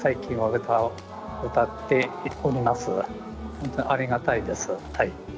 本当にありがたいです。